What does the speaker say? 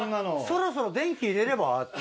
そろそろ電気入れればって。